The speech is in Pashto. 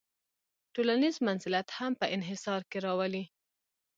ټولنیز منزلت هم په انحصار کې راولي.